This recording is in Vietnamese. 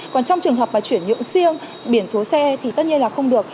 còn trong trường hợp mà chuyển nhượng riêng biển số xe thì tất nhiên là không được